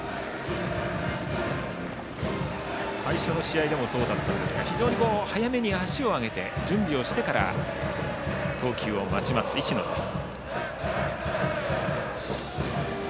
最初の試合でもそうでしたが非常に早めに足を上げて準備をしてから投球を待ちます、石野です。